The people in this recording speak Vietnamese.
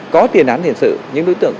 có tiền án thiền sự những đối tượng